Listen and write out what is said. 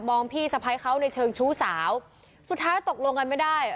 พี่สะพ้ายเขาในเชิงชู้สาวสุดท้ายตกลงกันไม่ได้